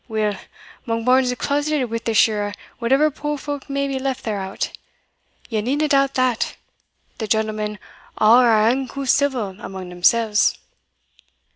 Weel, Monkbarns is closeted wi' the shirra whatever puir folk may be left thereout ye needna doubt that the gentlemen are aye unco civil amang themsells."